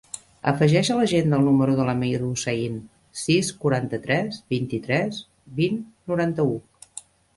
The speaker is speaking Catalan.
Afegeix a l'agenda el número de l'Amir Hussain: sis, quaranta-tres, vint-i-tres, vint, noranta-u.